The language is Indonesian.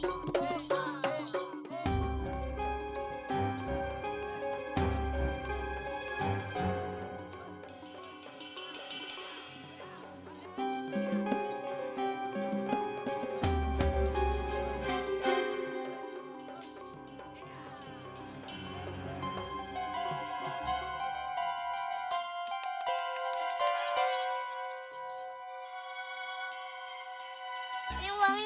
buat harta sih pak